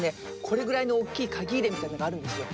これぐらいのおっきい鍵入れみたいのがあるんです。